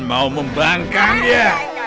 mau membangkang ya